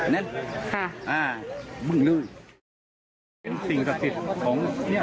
ค่ะอ่ามึงนึงสิ่งศักดิ์สิทธิ์ของเนี้ย